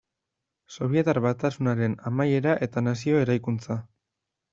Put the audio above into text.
Sobietar Batasunaren amaiera eta nazio eraikuntza.